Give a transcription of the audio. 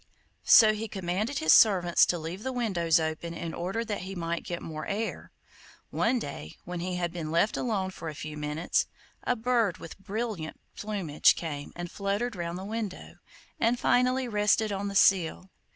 So he commanded his servants to leave the windows open in order that he might get more air. One day, when he had been left alone for a few minutes, a bird with brilliant plumage came and fluttered round the window, and finally rested on the sill.